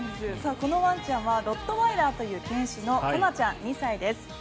このワンちゃんはロットワイラーという犬種のコナちゃん、２歳です。